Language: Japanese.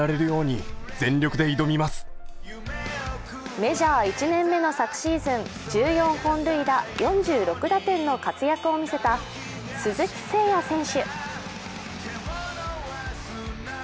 メジャー１年目の昨シーズン１４本塁打４６打点の活躍を見せた鈴木誠也選手。